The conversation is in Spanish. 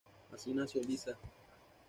Así nació Lisa.